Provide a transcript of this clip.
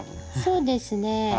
そうですね。